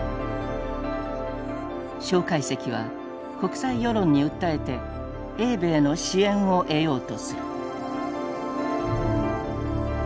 蒋介石は国際世論に訴えて英米の支援を得ようとする。